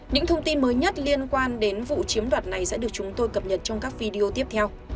những thông tin mới nhất liên quan đến vụ chiếm đoạt này sẽ được chúng tôi cập nhật trong các video tiếp theo